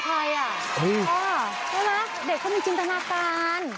ก็มีจินตนาการ